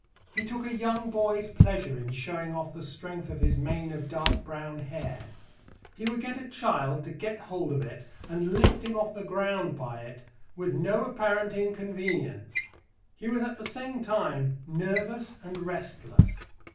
He took a young boy's pleasure in showing off the strength of his mane of dark brown hair. He would get a child to get hold of it, and lift him off the ground by it "with no apparent inconvenience." He was at the same time nervous and restless.